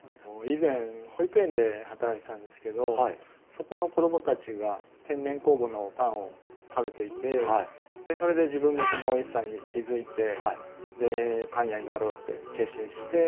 以前保育園で働いてたんですけどそこの子供たちが天然酵母のパンを食べていてそれで自分もそのおいしさに気付いてでパン屋になろうって決心して。